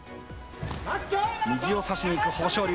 右を差しにいく豊昇龍。